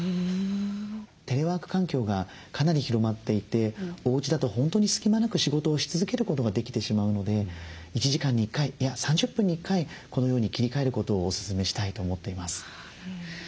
テレワーク環境がかなり広まっていておうちだと本当に隙間なく仕事をし続けることができてしまうので１時間に１回３０分に１回このように切り替えることをおすすめしたいと思っています。